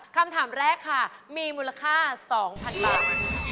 คำถามแรกค่ะมีมูลค่า๒๐๐๐บาท